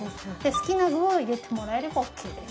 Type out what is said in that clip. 好きな具を入れてもらえればオッケーです